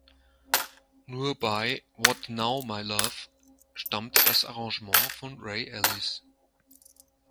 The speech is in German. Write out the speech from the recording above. Nur bei "What Now My Love" stammt das Arrangement von Ray Ellis.